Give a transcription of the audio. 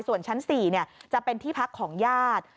ส่วนชั้น๔จะเป็นที่พักของญาติ